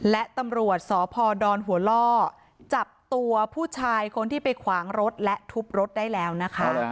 และตำรวจสพดหัวล่อจับตัวผู้ชายคนที่ไปขวางรถและทุบรถได้แล้วนะคะ